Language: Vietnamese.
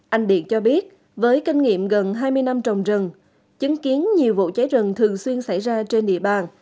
anh điện cho biết với kinh nghiệm gần hai mươi năm trồng rừng chứng kiến nhiều vụ cháy rừng thường xuyên xảy ra trên địa bàn